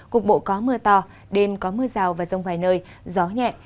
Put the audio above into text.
cục bộ có mưa to đêm có mưa rào và rông vài nơi gió nhẹ